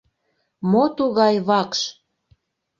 Мо тугай вакш?